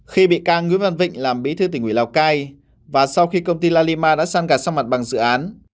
khi bị can nguyễn văn vịnh làm bí thư tỉnh nguyễn lào cai và sau khi công ty lillama đã săn gạt sang mặt bằng dự án